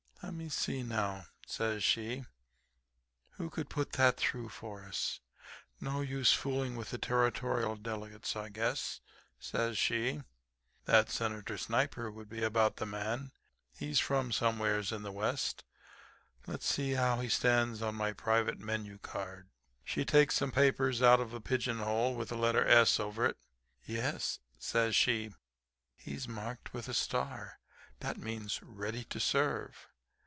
Le'me see, now,' says she, 'who could put that through for us. No use fooling with the Territorial delegates. I guess,' says she, 'that Senator Sniper would be about the man. He's from somewheres in the West. Let's see how he stands on my private menu card.' She takes some papers out of a pigeon hole with the letter 'S' over it. "'Yes,' says she, 'he's marked with a star; that means "ready to serve."